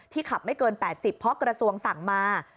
ขับไม่เกิน๘๐เพราะกระทรวงสั่งมา